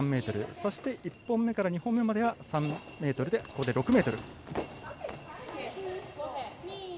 そして、１本目から２本目までが３ｍで合計６ｍ。